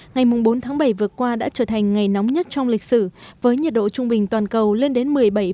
ngày bốn tháng bảy vừa qua đã trở thành ngày nóng nhất trong lịch sử với nhiệt độ trung bình toàn cầu lên đến một mươi bảy